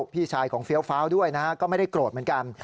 พี่ชายของเฟี้ยวฟ้าวด้วยนะฮะก็ไม่ได้โกรธเหมือนกัน